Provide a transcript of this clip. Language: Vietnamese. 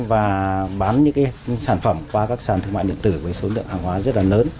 và bán những sản phẩm qua các sàn thương mại định tử với số lượng hàng hoạt